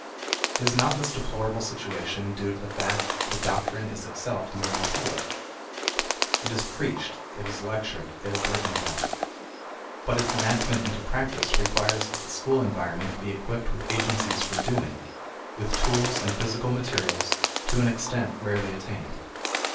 Is not this deplorable situation due to the fact that the doctrine is itself merely told? It is preached; it is lectured; it is written about. But its enactment into practice requires that the school environment be equipped with agencies for doing, with tools and physical materials, to an extent rarely attained.